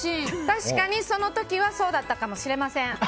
確かにその時はそうだったかもしれません。